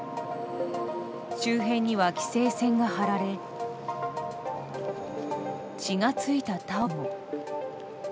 周辺には規制線が張られ血が付いたタオルも。